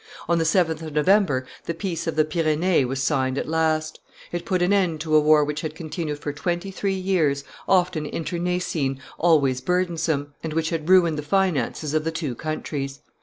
On the 7th of November the peace of the Pyrenees was signed at last; it put an end to a war which had continued for twenty three years, often internecine, always burdensome, and which had ruined the finances of the two countries.